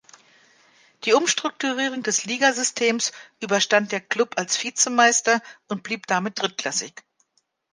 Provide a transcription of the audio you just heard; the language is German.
Die Umstrukturierung des Ligasystems überstand der Klub als Vizemeister und blieb damit drittklassig.